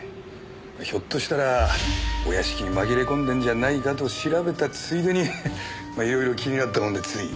ひょっとしたらお屋敷に紛れ込んでんじゃないかと調べたついでにいろいろ気になったもんでつい。